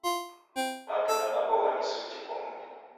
Matunda na mbogha ni suti kwa mmbi